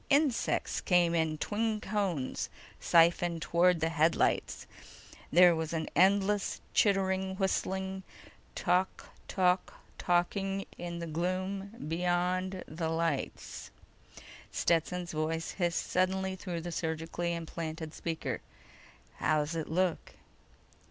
Insects came in twin cones, siphoned toward the headlights. There was an endless chittering whistling tok tok toking in the gloom beyond the lights. Stetson's voice hissed suddenly through the surgically implanted speaker: "How's it look?"